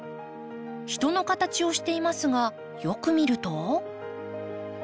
人の形をしていますがよく見ると。